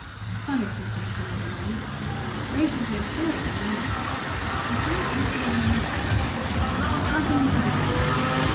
Funny complaint in other ways; raises your spirits, if anything. You can't look beyond the next breath. Nothing else worries you.